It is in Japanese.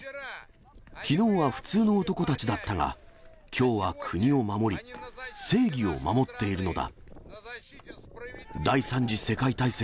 きのうは普通の男たちだったが、きょうは国を守り、正義を守っているのだ。